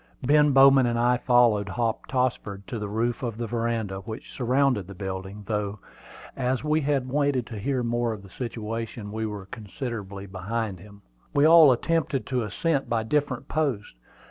Ben Bowman and I followed Hop Tossford to the roof of the veranda, which surrounded the building, though, as we had waited to hear more of the situation, we were considerably behind him. We all attempted the ascent by different posts.